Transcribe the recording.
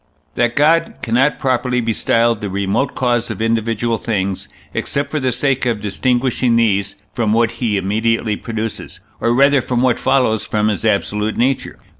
That God cannot properly be styled the remote cause of individual things, except for the sake of distinguishing these from what he immediately produces, or rather from what follows from his absolute nature.